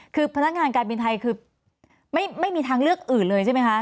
คือพนักงานการบินไทยคือไม่มีทางเลือกอื่นเลยใช่ไหมคะ